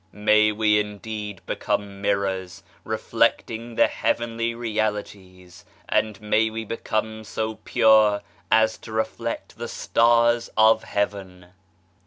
May we indeed become mirrors reflecting the heavenly realities, and may we become so pure as to reflect the stars of heaven.